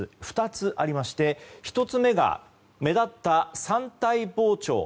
２つありまして１つ目が目立った山体膨張。